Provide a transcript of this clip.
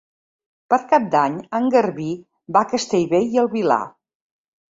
Per Cap d'Any en Garbí va a Castellbell i el Vilar.